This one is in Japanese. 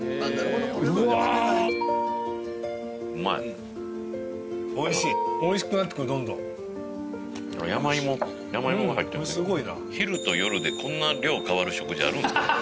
うまいおいしいおいしくなってくるどんどん山芋山芋が入ってる昼と夜でこんな量変わる食事あるん？